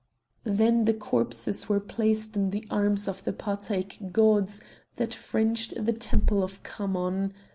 Then the corpses were placed in the arms of the Patæc gods that fringed the temple of Khamon.